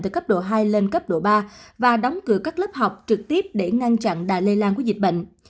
từ cấp độ hai lên cấp độ ba và đóng cửa các lớp học trực tiếp để ngăn chặn đà lây lan của dịch bệnh